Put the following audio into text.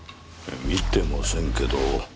見てませんけど。